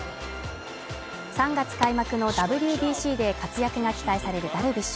３月開幕のＷＢＣで活躍が期待されるダルビッシュ